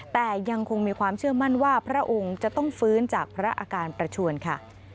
แต่ยังคงมีความเชื่อมั่นว่าพระองค์จะต้องฟื้นจากพระอาการประชวนค่ะ